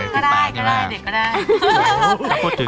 ก็ได้เด็กก็ได้